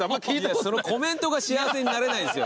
そのコメントが幸せになれないですよ